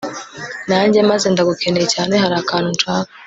nanjye maze ndagukeneye cyane hari akantu nshaka